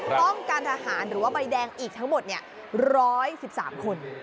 ล้องการทหารหรือว่าใบแดงอีกทั้งหมดยังหน้าสิบสามคน